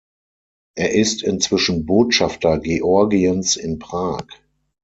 Er ist inzwischen Botschafter Georgiens in Prag.